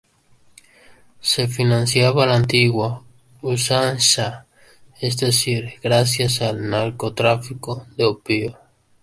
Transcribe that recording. Se financiaba a la antigua usanza, es decir, gracias al narcotráfico de opio.